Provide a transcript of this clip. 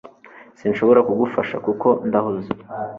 Sinshobora kugufasha kuko ndahuze